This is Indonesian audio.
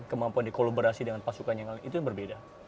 kemampuan dikolaborasi dengan pasukan yang lain itu yang berbeda